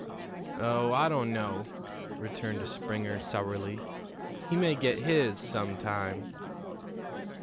"Oh, I don't know," returned Springer sourly. "He may get his some time."